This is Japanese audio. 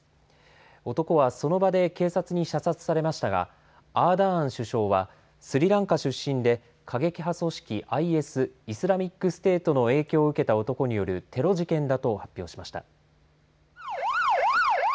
男はその場で警察に射殺されましたがアーダーン首相はスリランカ出身で過激派組織ＩＳ・イスラミックステートの影響を受けた男によるテロ事件だと発表しました。